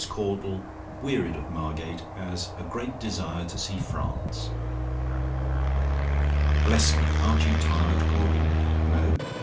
CAUDLE, WEARIED OF MARGATE, HAS "A GREAT DESIRE TO SEE FRANCE." "Bless me! aren't you tired, Caudle? "NO?